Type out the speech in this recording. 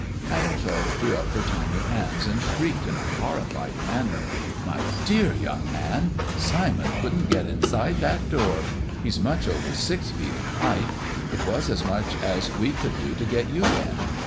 Madam Tot threw up her tiny hands, and shrieked in a horrified manner "My dear young man, Simon couldn't get inside that door. He's much over six feet in height. It was as much as we could do to get you in."